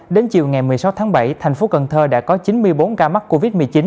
đến chiều ngày một mươi sáu tháng bảy thành phố cần thơ đã có chín mươi bốn ca mắc covid một mươi chín